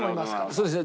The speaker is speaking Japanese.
そうですね。